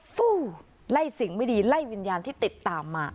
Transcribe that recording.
สู้ไล่สิ่งไม่ดีไล่วิญญาณที่ติดตามมา